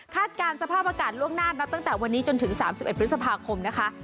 การสภาพอากาศล่วงหน้านับตั้งแต่วันนี้จนถึง๓๑พฤษภาคมนะคะ